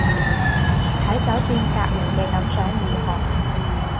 喺酒店隔離嘅感想如何